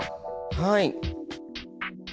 はい。